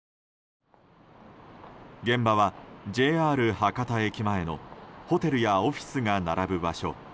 現場はＪＲ博多駅前のホテルやオフィスが並ぶ場所。